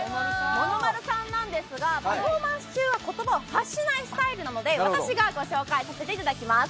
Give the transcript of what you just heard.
ものまるさんなんですがパフォーマンス中は言葉を発しないスタイルなので私がご紹介させていただきます。